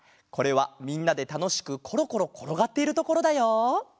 これはみんなでたのしくコロコロころがっているところだよ。